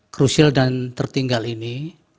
krusial dan tertinggal ini